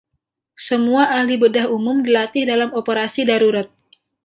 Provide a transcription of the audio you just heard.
Semua ahli bedah umum dilatih dalam operasi darurat.